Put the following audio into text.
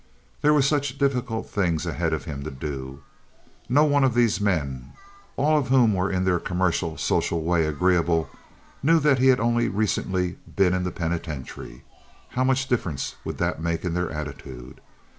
There were such difficult things ahead of him to do. No one of these men, all of whom were in their commercial social way agreeable, knew that he had only recently been in the penitentiary. How much difference would that make in their attitude?